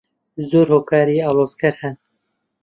زۆر هۆکاری ئاڵۆزکەر هەن.